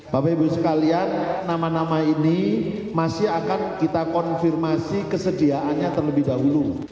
bapak ibu sekalian nama nama ini masih akan kita konfirmasi kesediaannya terlebih dahulu